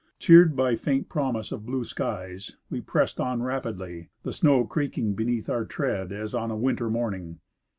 Cheered by faint promise of blue skies, we pressed on rapidly, the snow creaking beneath our tread as on a winter morning.